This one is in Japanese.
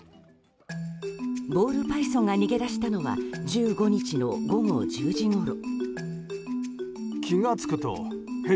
ボールパイソンが逃げ出したのは１５日の午後１０時ごろ。